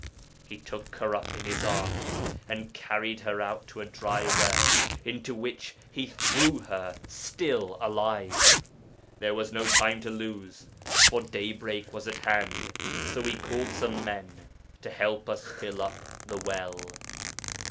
He took her up in his arms, and carried her out to a dry well, into which he threw her still alive. There was no time to lose, for daybreak was at hand. So we called some men to help us fill up the well.'